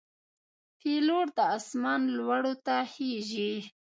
پیلوټ د آسمان لوړو ته خېژي.